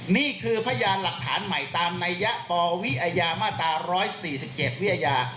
นี่คือพยานหลักฐานใหม่ตามนัยยะปวิอาญามาตรา๑๔๗วิทยา